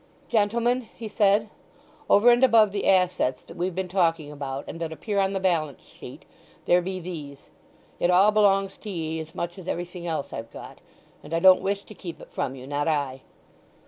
"Gentlemen," he said, "over and above the assets that we've been talking about, and that appear on the balance sheet, there be these. It all belongs to ye, as much as everything else I've got, and I don't wish to keep it from you, not I."